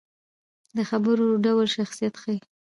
د خبرو ډول شخصیت ښيي